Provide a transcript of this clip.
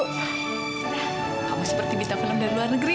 kamu seperti bita penem dari luar negeri